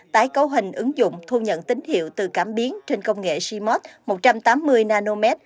tái cấu hình ứng dụng thu nhận tín hiệu từ cảm biến trên công nghệ shimot một trăm tám mươi nm